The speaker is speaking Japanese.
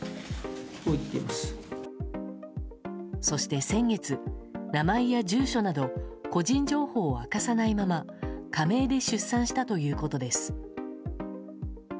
そして先月、名前や住所など個人情報を明かさないまま仮名で出産したということです。